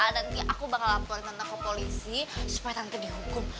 nanti aku bakal laporin tentang ke polisi supaya nanti dihukum